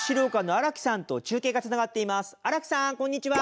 荒木さんこんにちは！